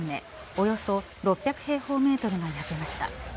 およそ６００平方メートルが焼けました。